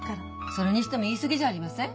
それにしても言い過ぎじゃありません？